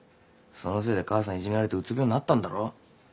そのせいで母さんいじめられてうつ病になったんだろ。